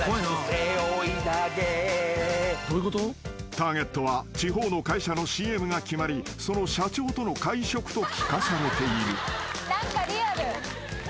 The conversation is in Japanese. ［ターゲットは地方の会社のＣＭが決まりその社長との会食と聞かされている］